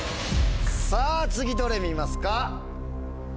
さぁ次どれ見ますか？